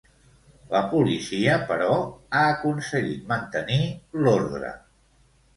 La policia, però, ha aconseguit mantenir l'ordre.